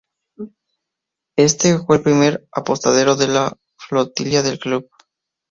Éste, fue el primer apostadero de la flotilla del Club.